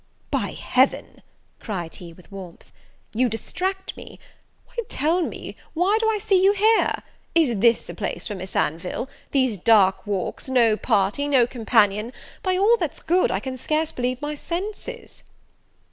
"By Heaven," cried he, with warmth, "you distract me; why, tell me, why do I see you here? Is this a place for Miss Anville? these dark walks! no party! no companion! by all that's good I can scarce believe my senses!"